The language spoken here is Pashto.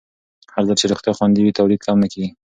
هرځل چې روغتیا خوندي وي، تولید کم نه کېږي.